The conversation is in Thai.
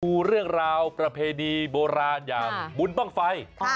ดูเรื่องราวประเพณีโบราณอย่างบุญบ้างไฟ